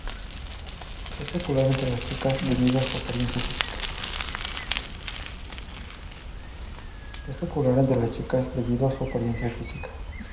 Es popular entre las chicas, debido a su apariencia física.